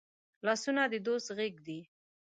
لاسونه د دوست غېږ دي